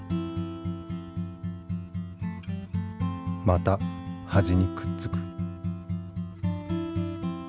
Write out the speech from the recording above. また端にくっつく。